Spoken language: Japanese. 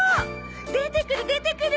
出てくる出てくる！